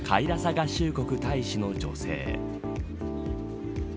合衆国大使の女性。